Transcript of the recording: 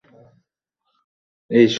প্রশ্ন উঠে কে তার পিতা?